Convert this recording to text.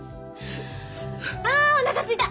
あおなかすいた！